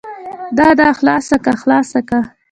نه نه خلاصه که خلاصه که.